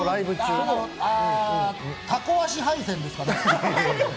たこ足配線ですかね？